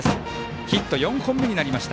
ヒット４本目になりました。